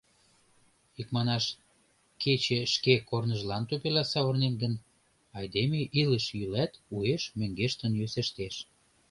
Икманаш, кече шке корныжлан тупела савырнен гын, айдеме илыш-йӱлат уэш мӧҥгештын йӧсештеш.